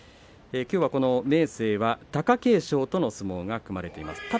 きょうは明生は貴景勝との相撲が組まれています。